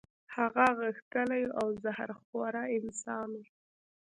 هغه غښتلی او زهر خوره انسان وو.